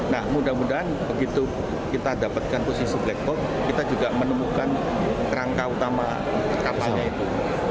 nah mudah mudahan begitu kita dapatkan posisi black box kita juga menemukan kerangka utama kapalnya itu